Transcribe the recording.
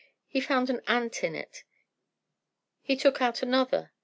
He found an ant in it. He took out another.